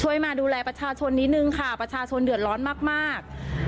มาดูแลประชาชนนิดนึงค่ะประชาชนเดือดร้อนมาก